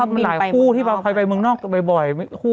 มันหลายคู่ที่เคยไปเมืองนอกบ่อย